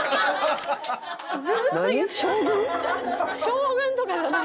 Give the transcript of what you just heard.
将軍とかじゃない。